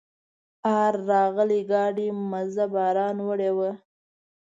آر راغلي ګاډي مزه باران وړې وه.